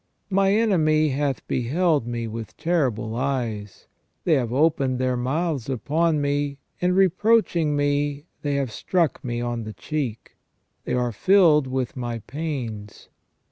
" My enemy hath beheld me with terrible eyes. They have opened their mouths upon me, and reproaching me they have struck me on the cheek ; they are filled with my pains.